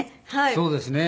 そうですね。